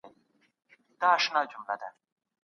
ښوونځي زدهکوونکي په ډلو کي کار کولو ته هڅوي.